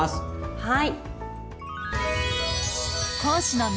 はい。